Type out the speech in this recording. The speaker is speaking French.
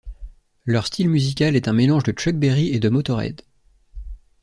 Leur style musical est un mélange de Chuck Berry et de Motörhead.